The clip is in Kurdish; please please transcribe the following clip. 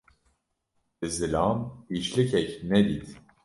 Li zilam îşlikek nedît.